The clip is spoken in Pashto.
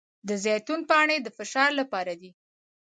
د زیتون پاڼې د فشار لپاره دي.